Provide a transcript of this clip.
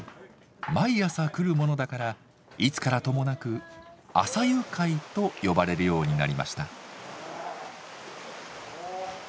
毎朝来るものだからいつからともなく「朝湯会」と呼ばれるようになりました。